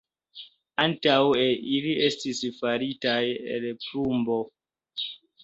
Antaŭe ili estis faritaj el plumbo.